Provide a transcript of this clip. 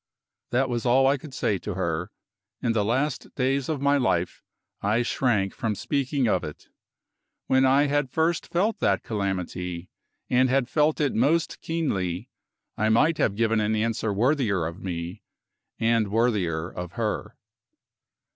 That was all I could say to her. In the last days of my life, I shrank from speaking of it. When I had first felt that calamity, and had felt it most keenly, I might have given an answer worthier of me, and worthier of her.